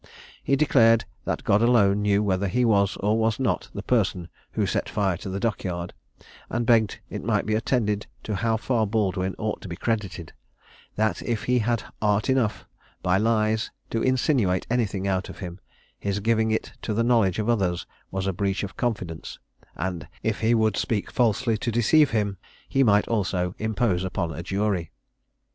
He declared that God alone knew whether he was, or was not, the person who set fire to the dock yard; and begged it might be attended to how far Baldwin ought to be credited: that if he had art enough, by lies, to insinuate anything out of him, his giving it to the knowledge of others was a breach of confidence; and if he would speak falsely to deceive him, he might also impose upon a jury.